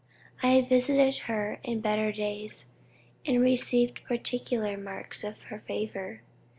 I had visited her in better days, and received particular marks of her favor.